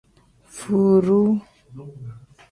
Furuu.